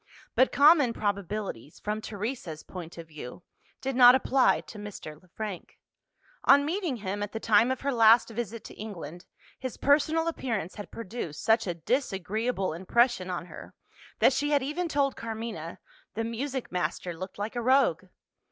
But common probabilities from Teresa's point of view did not apply to Mr. Le Frank. On meeting him, at the time of her last visit to England, his personal appearance had produced such a disagreeable impression on her, that she had even told Carmina "the music master looked like a rogue."